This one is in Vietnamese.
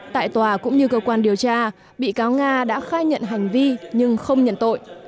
tại tòa cũng như cơ quan điều tra bị cáo nga đã khai nhận hành vi nhưng không nhận tội